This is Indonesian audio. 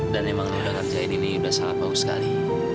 dan emang lu udah ngerjain ini udah selama bagus sekali